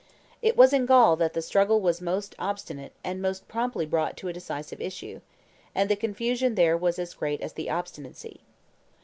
It was in Gaul that the struggle was most obstinate and most promptly brought to a decisive issue, and the confusion there was as great as the obstinacy.